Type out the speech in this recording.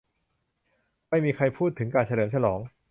ไม่มีใครพูดถึงการเฉลิมฉลอง